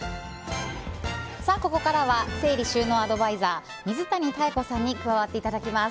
ここからは整理収納アドバイザー水谷妙子さんに加わっていただきます。